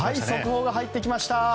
速報が入ってきました。